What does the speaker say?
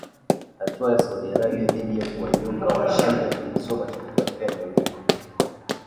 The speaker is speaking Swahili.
Hatua ya Saudi Arabia dhidi ya kuwanyonga wa-shia ilizua machafuko katika eneo hilo hapo awali.